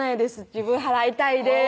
自分払いたいです」